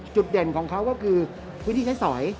จุดเด่นของเขาก็คือพื้นที่ใช้สอย